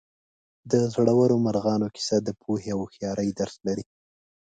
د زړورو مارغانو کیسه د پوهې او هوښیارۍ درس لري.